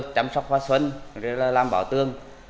chăm sóc hoa xuân rồi là làm bảo tương